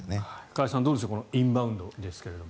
加谷さん、どうでしょうインバウンドですが。